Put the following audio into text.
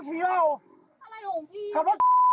เหยียบ